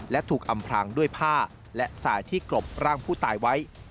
และถูกอำพรางด้วยผ้าและสายที่กรบร่างผู้ตายไว้